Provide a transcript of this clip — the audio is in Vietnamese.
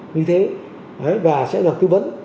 như thế và sẽ được tư vấn